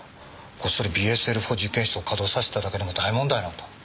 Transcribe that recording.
こっそりＢＳＬ４実験室を稼動させてただけでも大問題なんだ。